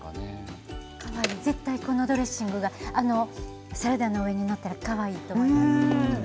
絶対このドレッシングがサラダの上に載ったらかわいいと思います。